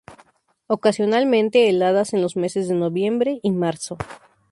Ocasionalmente heladas en los meses de noviembre y marzo.